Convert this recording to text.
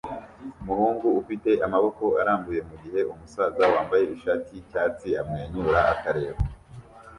muhungu ufite amaboko arambuye mugihe umusaza wambaye ishati yicyatsi amwenyura akareba